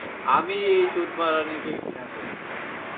আমি এই চুতমারানি কে ঘৃণা করি।